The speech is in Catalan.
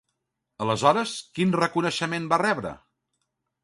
Aleshores, quin reconeixement va rebre?